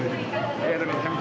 ありがとうございます。